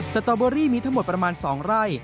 สตอเบอรี่มีทั้งหมดประมาณ๒ไร่